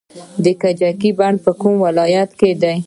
د کجکي بند په کوم ولایت کې دی؟